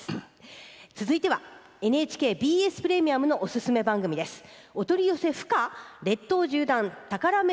続いてはＮＨＫＢＳプレミアムのオススメ番組です。